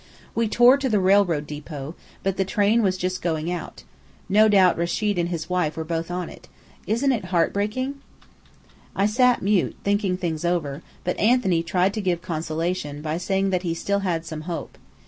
We tore to the railroad depot, but the train was just going out. No doubt Rechid and his wife were both on it. Isn't it heartbreaking?" I sat mute, thinking things over, but Anthony tried to give consolation by saying that he still had some hope.